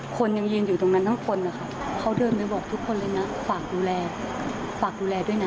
คนยังยืนอยู่ตรงนั้นทั้งคนนะคะเขาเดินไปบอกทุกคนเลยนะฝากดูแลฝากดูแลด้วยนะ